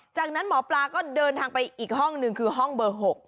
จากนั้นหมอปลาก็เดินทางไปอีกห้องหนึ่งคือห้องเบอร์๖